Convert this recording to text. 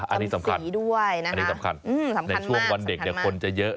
อันนี้สำคัญในช่วงวันเด็กคนจะเยอะหน่อย